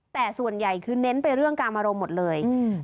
แต่ส่วนใหญ่คือเน้นไปเรื่องกามอารมณ์หมดเลยอืม